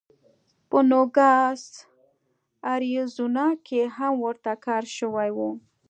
په نوګالس اریزونا کې هم ورته کار شوی و.